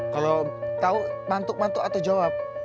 kalau tahu mantuk mantuk atau jawab